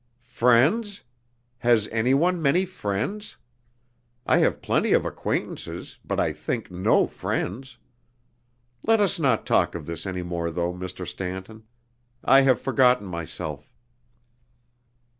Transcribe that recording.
"Friends? Has anyone many friends? I have plenty of acquaintances, but I think no friends. Let us not talk of this any more, though, Mr. Stanton. I have forgotten myself."